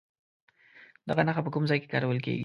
دغه نښه په کوم ځای کې کارول کیږي؟